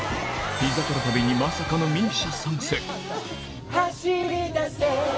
「ピザトラ旅」にまさかの ＭＩＳＩＡ 参戦